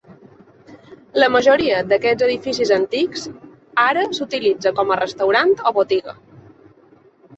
La majoria d'aquests edificis antics ara s'utilitza com a restaurant o botiga.